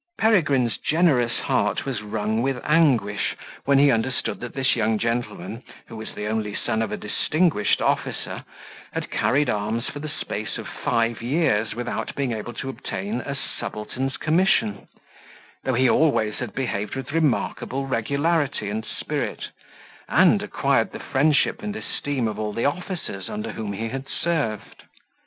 Peregrine's generous heart was wrung with anguish, when he understood that this young gentleman, who was the only son of a distinguished officer, had carried arms for the space of five years, without being able to obtain a subaltern's commission, though he always had behaved with remarkable regularity and spirit, and, acquired the friendship and esteem of all the officers under whom he had served.